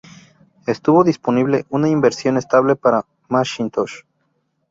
Estuvo disponible una versión estable para Macintosh.